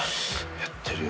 やってるよ。